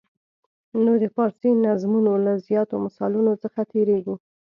نو د فارسي نظمونو له زیاتو مثالونو څخه تېریږو.